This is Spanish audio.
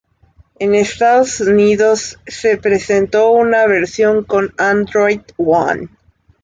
En Estados Unidos, se presentó una versión con Android One.